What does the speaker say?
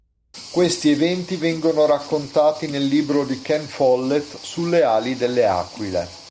Questi eventi vengono raccontati nel libro di Ken Follett "Sulle ali delle aquile".